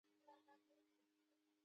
چای تود دی.